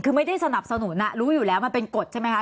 คือไม่ได้สนับสนุนรู้อยู่แล้วมันเป็นกฎใช่ไหมคะ